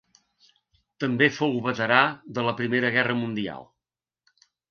També fou veterà de la Primera Guerra Mundial.